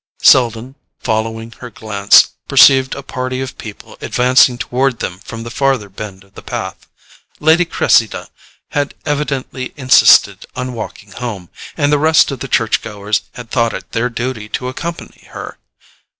Selden, following her glance, perceived a party of people advancing toward them from the farther bend of the path. Lady Cressida had evidently insisted on walking home, and the rest of the church goers had thought it their duty to accompany her.